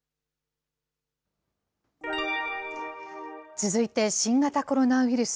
続いて新型コロナウイルス。